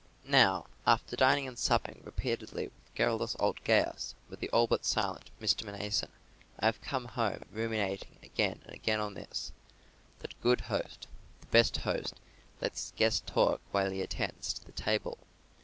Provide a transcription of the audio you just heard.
Now, after dining and supping repeatedly with garrulous old Gaius, and with the all but silent Mr. Mnason, I have come home ruminating again and again on this that a good host, the best host, lets his guests talk while he attends to the table.